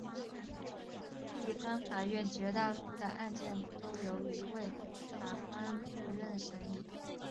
地方法院绝大多数的案件都由一位法官独任审理。